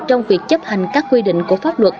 trong việc chấp hành các quy định của pháp luật